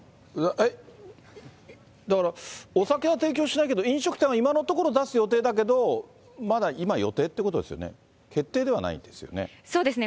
だから、お酒は提供しないけど、飲食店は今のところ、出す予定だけど、まだ今、予定ってことですよね、決定ではないんですよね。